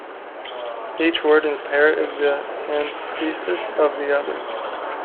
Each word in the pair is the antithesis of the other.